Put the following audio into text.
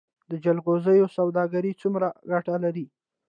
د جلغوزیو سوداګري څومره ګټه لري؟